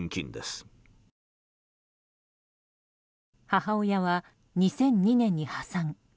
母親は２００２年に破産。